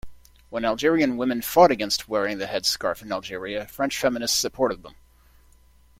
When Algerian women fought against wearing the headscarf in Algeria, French feminists supported them.